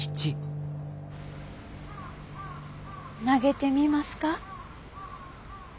投げてみますか？